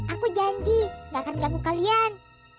aku janji gak akan berlaku kalian